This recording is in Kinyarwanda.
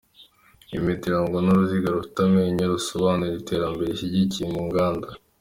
Iyi mpeta irangwa n’uruziga rufite amenyo rusobanura iterambere rishingiye ku nganda.